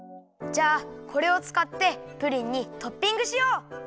じゃあこれをつかってプリンにトッピングしよう！